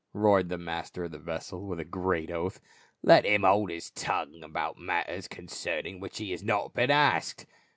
roared the master of the vessel with a great oath. " Let him hold his tongue about matters concerning which he has not been asked.